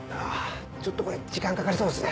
ちょっと時間かかりそうですね。